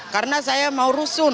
karena saya mau rusun